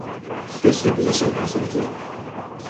تیسری پوزیشن حاصل کی